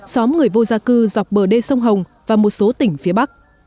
xóm người vô gia cư dọc bờ đê sông hồng và một số tỉnh phía bắc